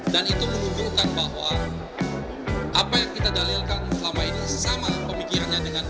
dan itu menunjukkan bahwa apa yang kita jalinkan selama ini sama pemikirannya dengan